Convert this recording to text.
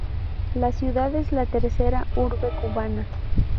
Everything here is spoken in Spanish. La ciudad es la tercera urbe cubana.